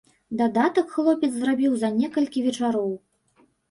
Дадатак хлопец зрабіў за некалькі вечароў.